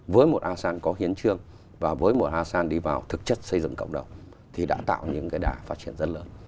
với một asean có hiến trương và với một asean đi vào thực chất xây dựng cộng đồng thì đã tạo những đả phát triển rất lớn